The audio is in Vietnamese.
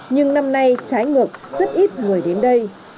nhưng năm nay trái ngược rất ít người đến đây